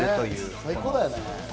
最高だね。